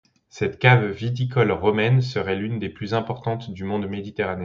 Cette cave viticole romaine serait l'une des plus importantes du monde méditerranéen.